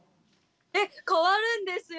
えっ変わるんですよ！